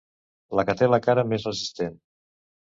La que té la cara més resistent.